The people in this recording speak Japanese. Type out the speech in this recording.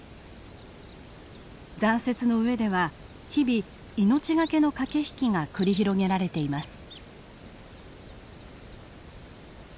残雪の上では日々命懸けの駆け引きが繰り広げられています。